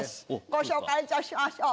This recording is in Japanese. ご紹介いたしましょう。